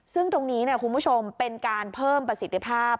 ซึ่งตรงนี้คุณผู้ชมเป็นการเพิ่มประสิทธิภาพ